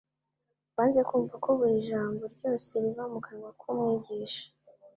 Banze kumva ko buri jambo ryose riva mu kanwa k'Umwigisha